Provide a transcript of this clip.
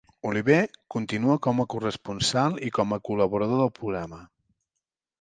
Oliver continua com a corresponsal i com a col·laborador del programa.